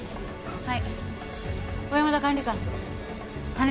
はい。